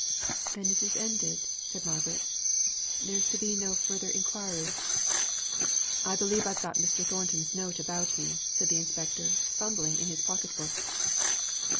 "Then it is ended," said Margaret. "There is to be no further enquiry." "I believe I've got Mr. Thornton's note about me," said the Inspector, fumbling in his pocket book.